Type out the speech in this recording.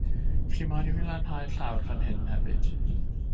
Chi moyn i fi lanhau'r llawr fan hyn hefyd?